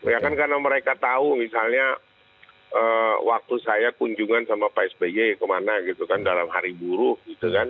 ya kan karena mereka tahu misalnya waktu saya kunjungan sama pak sby kemana gitu kan dalam hari buruh gitu kan